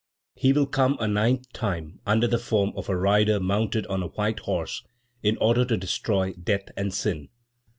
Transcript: He will come a ninth time under the form of a rider mounted on a white horse in order to destroy death and sin.